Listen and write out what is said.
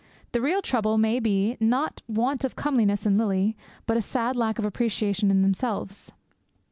The real trouble may be, not want of comeliness in Lily, but a sad lack of appreciation in themselves.